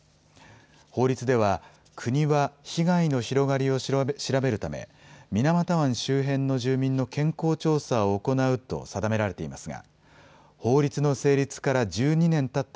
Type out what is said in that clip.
法律では国は被害の広がりを調べるため水俣湾周辺の住民の健康調査を行うと定められていますが、法律の成立から１２年たった